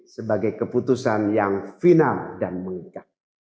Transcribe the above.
sebagai keputusan yang final dan mengikat